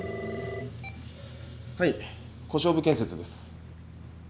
☎はい小勝負建設です。